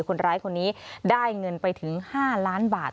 คนร้ายคนนี้ได้เงินไปถึง๕ล้านบาท